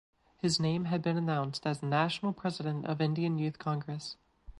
His name had been announced as National President of Indian Youth Congress.